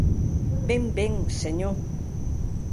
Ben, ben, senhor!